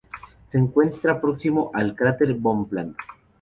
Se encuentra próximo al cráter Bonpland.